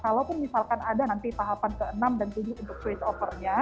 kalau pun misalkan ada nanti tahapan ke enam dan tujuh untuk switch over ya